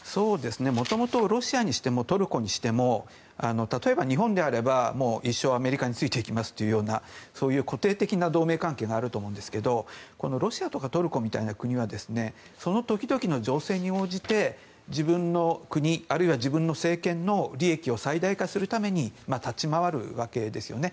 元々ロシアにしてもトルコにしても例えば、日本であれば一生アメリカについていきますというようなそういう固定的な同盟関係があると思うんですがロシアとかトルコみたいな国はその時々の情勢に応じて自分の国、あるいは自分の政権の利益を最大化するために立ち回るわけですね。